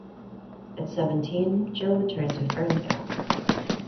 At seventeen, Joe returned to Ferndale.